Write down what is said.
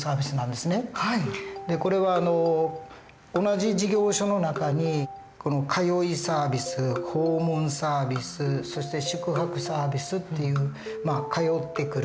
これは同じ事業所の中に通いサービス訪問サービスそして宿泊サービスっていう通ってくる。